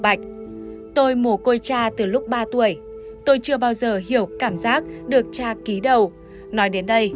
bạch tôi mù côi cha từ lúc ba tuổi tôi chưa bao giờ hiểu cảm giác được cha ký đầu nói đến đây